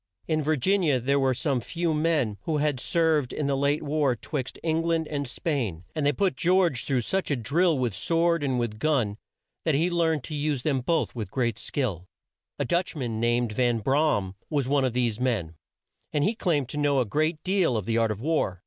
In Vir gin i a there were some few men who had served in the late war 'twixt Eng land and Spain, and they put George through such a drill with sword and with gun that he learned to use them both with great skill. A Dutch man, named Van Bra am, was one of these men, and he claimed to know a great deal of the art of war.